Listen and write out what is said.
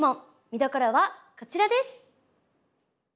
みどころはこちらです！